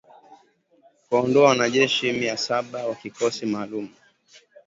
Kuwaondoa wanajeshi mia saba wa kikosi maalum